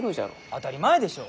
当たり前でしょう！